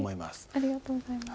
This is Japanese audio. ありがとうございます。